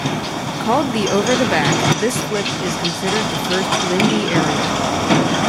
Called the 'over the back', this flip is considered the first Lindy aerial.